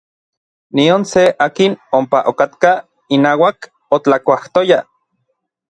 Nion se akin ompa okatkaj inauak otlakuajtoyaj.